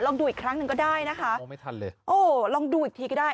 ดูอีกครั้งหนึ่งก็ได้นะคะโอ้ไม่ทันเลยโอ้ลองดูอีกทีก็ได้